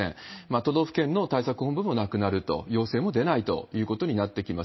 都道府県の対策本部もなくなると、要請も出ないということになってきます。